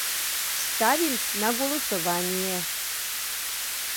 Ставим на голосование!